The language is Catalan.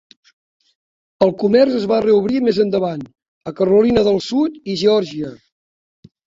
El comerç es va reobrir més endavant a Carolina del Sud i Geòrgia.